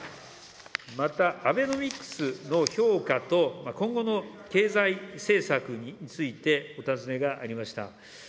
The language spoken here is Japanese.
また、アベノミクスの評価と、今後の経済政策についてお尋ねがありました。